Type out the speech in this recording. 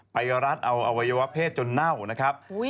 รัดเอาอวัยวะเพศจนเน่านะครับ